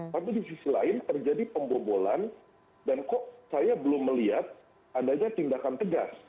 tapi di sisi lain terjadi pembobolan dan kok saya belum melihat adanya tindakan tegas